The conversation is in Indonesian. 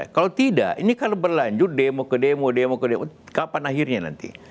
kalau tidak ini kalau berlanjut demo ke demo demo ke demo kapan akhirnya nanti